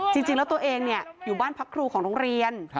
จริงแล้วตัวเองอยู่บ้านพักครูของโรงเรียน